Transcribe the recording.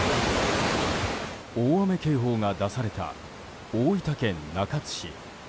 大雨警報が出された大分県中津市。